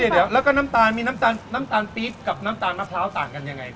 เดี๋ยวแล้วก็น้ำตาลมีน้ำตาลปี๊บกับน้ำตาลมะพร้าวต่างกันยังไง